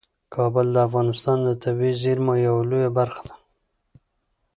کابل د افغانستان د طبیعي زیرمو یوه لویه برخه ده.